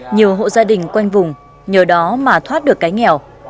nhiều hộ gia đình quanh vùng nhờ đó mà thoát được cái nghèo